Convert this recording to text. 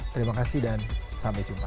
terima kasih dan sampai jumpa